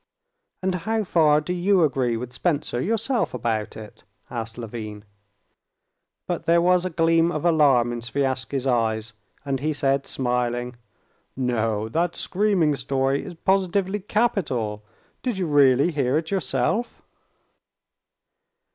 "And how far do you agree with Spencer yourself about it?" asked Levin. But there was a gleam of alarm in Sviazhsky's eyes, and he said smiling: "No; that screaming story is positively capital! Did you really hear it yourself?"